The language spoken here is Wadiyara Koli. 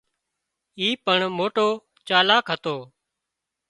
اي پڻ موٽو چالاڪ هتو